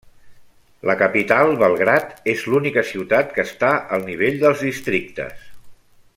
La capital, Belgrad, és l'única ciutat que està al nivell dels districtes.